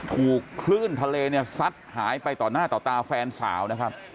ถูกคลื่นทะเลเนี่ยซัดหายไปต่อหน้าต่อตาแฟนสาวนะครับ